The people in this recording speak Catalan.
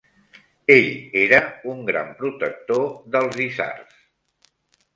Ell era un gran protector dels isards.